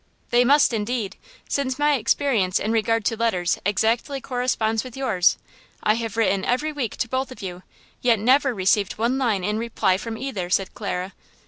"They must, indeed, since my experience in regard to letters exactly corresponds with yours! I have written every week to both of you, yet never received one line in reply from either," said Clara.